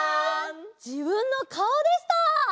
じぶんのかおでした！